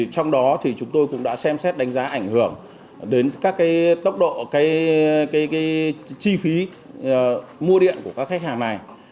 trong đó thì chúng tôi cũng đã xem xét đánh giá ảnh hưởng đến các cái tốc độ chi phí mua điện của các khách hàng này